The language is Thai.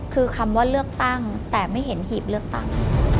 คือคำว่าเลือกตั้งแต่ไม่เห็นหีบเลือกตั้ง